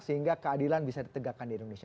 sehingga keadilan bisa ditegakkan di indonesia